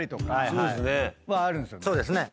そうですね。